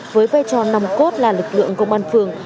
với vai trò nằm cốt là lực lượng công an phường